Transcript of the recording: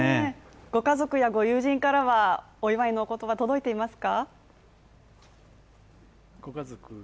ご家族やご友人から、お祝いのおことば、届いていますか？